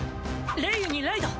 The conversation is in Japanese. レイユにライド！